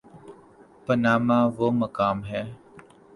Panama وہ مقام ہے۔